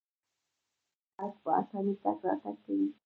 خلک په اسانۍ تګ راتګ کوي.